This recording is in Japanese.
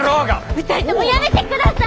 ２人ともやめてください！